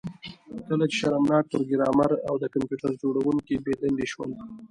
کله چې شرمناک پروګرامر او د کمپیوټر جوړونکی بې دندې شول